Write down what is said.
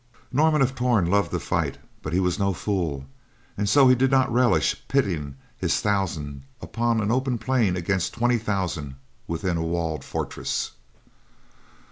Norman of Torn loved to fight, but he was no fool, and so he did not relish pitting his thousand upon an open plain against twenty thousand within a walled fortress.